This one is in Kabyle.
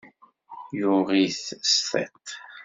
Yuɣ-it s tiṭ.